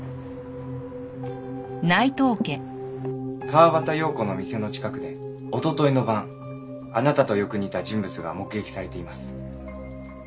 川端葉子の店の近くでおとといの晩あなたとよく似た人物が目撃されています。